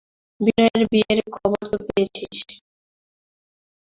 বিনয়ের বিয়ের খবর তো পেয়েছিস?